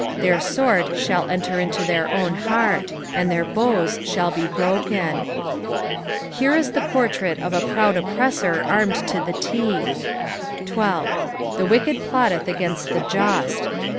15 Their sword shall enter into their own heart, and their bows shall be broken. Here is the portrsit of a proud oppressor armed to the teeth. 13. " The toicked pktUth agaiait th« jwt."